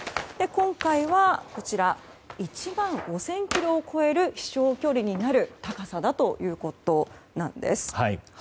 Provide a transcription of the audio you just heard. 今回は１万５０００ｋｍを超える飛翔距離になる高さだということなんです。